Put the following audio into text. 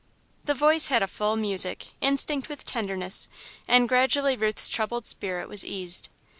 The voice had a full music, instinct with tenderness, and gradually Ruth's troubled spirit was eased.